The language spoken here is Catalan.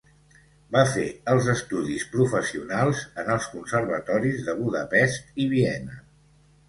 Va fer els estudis professionals en els Conservatoris de Budapest i Viena.